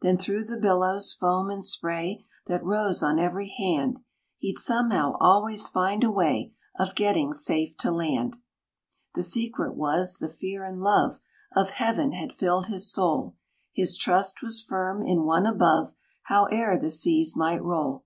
Then through the billows, foam, and spray, That rose on every hand, He'd, somehow, always find a way Of getting safe to land. The secret was, the fear and love Of Heaven had filled his soul: His trust was firm in One above, Howe'er the seas might roll.